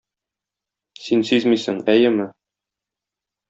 Син сизмисең, әйеме?